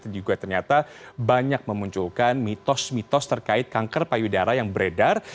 juga ternyata banyak memunculkan mitos mitos terkait kanker payudara yang beredar